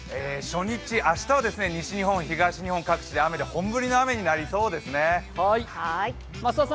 初日、明日は西日本、東日本各地で雨で本降りの雨になりそうですね。